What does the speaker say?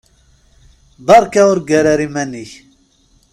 Beṛka ur ggar ara iman-ik.